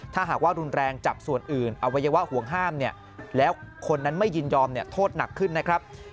ถ้าหากว่ารุนแรงจับส่วนอื่นอวัยวะห่วงห้ามเนี่ยแล้วคนนั้นไม่ยินยอมโทษหนักขึ้นนะครับ